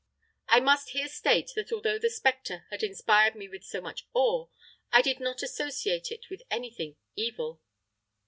"I must here state that although the spectre had inspired me with so much awe, I did not associate it with anything EVIL.